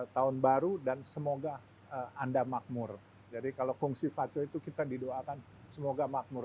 tahun baru dan semoga anda makmur jadi kalau fungsi faco itu kita didoakan semoga makmur